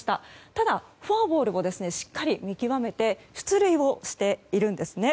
ただ、フォアボールをしっかり見極めて出塁しているんですね。